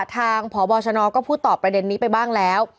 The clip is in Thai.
ทางพบชนก็พูดตอบประเด็นนี้ไปบ้างแล้ว